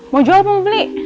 mau jual mau beli